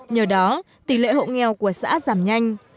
nhờ đó tỷ lệ hộ nghèo của xã giảm nhanh